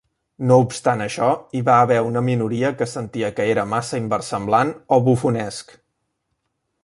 No obstant això, hi va haver una minoria que sentia que era massa inversemblant o bufonesc.